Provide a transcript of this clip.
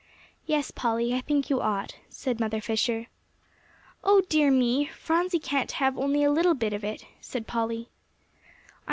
"Yes, Polly, I think you ought," said Mother Fisher. "Oh dear me! Phronsie can't have only a little bit of it," said Polly.